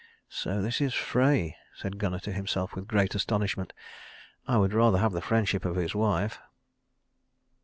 "So this is Frey," said Gunnar to himself with great astonishment. "I would rather have the friendship of his wife."